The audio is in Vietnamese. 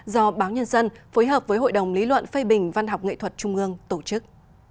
do báo nhân dân phối hợp với hội đồng lý luận phê bình văn học nghệ thuật trung ương tổ chức